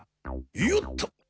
よっと！